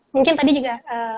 mungkin tadi juga